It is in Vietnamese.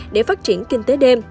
để phát triển kinh tế đêm